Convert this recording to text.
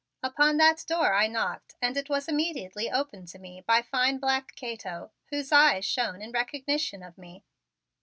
Upon that door I knocked and it was immediately opened to me by fine black Cato, whose eyes shone in recognition of me.